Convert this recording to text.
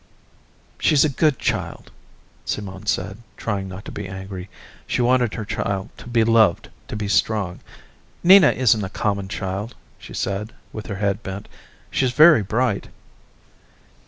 "She's a good child," Simone said, trying not to be angry. She wanted her child to be loved, to be strong. "Nina isn't a common child," she said, with her head bent. "She's very bright."